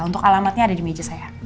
untuk alamatnya ada di meja saya